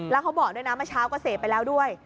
แล้วเขาบอกด้วยนะเมื่อเช้าก็เสพไปแล้วด้วย